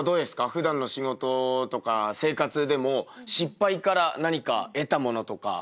普段の仕事とか生活でも失敗から何か得たものとか。